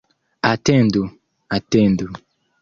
Atendu, atendu!